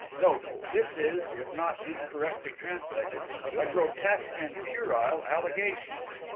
Note. This is (if not incorrectly translated) a grotesque and puerile allegation.